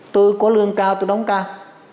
tôi có lương cao tôi đóng cao